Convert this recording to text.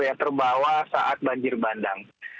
yang terbawa saat banjir bandang